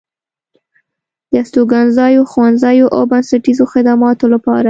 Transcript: د استوګنځايو، ښوونځيو او د بنسټيزو خدماتو لپاره